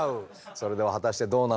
それでは果たしてどうなのか。